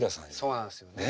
そうなんですよね。ね。